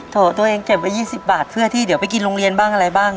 ตัวเองเก็บไว้๒๐บาทเพื่อที่เดี๋ยวไปกินโรงเรียนบ้างอะไรบ้าง